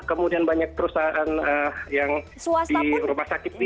kemudian banyak perusahaan yang di rumah sakit